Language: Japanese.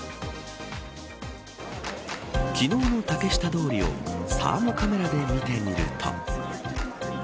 昨日の竹下通りをサーモカメラで見てみると。